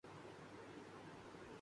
تم ناراض تھیں